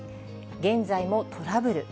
現在もトラブル。